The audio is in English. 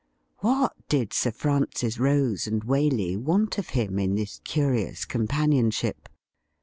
What did Sir Francis Rose and Waley want of him in this curious companionship